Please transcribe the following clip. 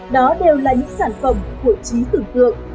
đó đều là những sản phẩm của trí tưởng tượng